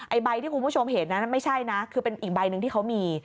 ใบที่คุณผู้ชมเห็นนั้นไม่ใช่นะคือเป็นอีกใบหนึ่งที่เขามี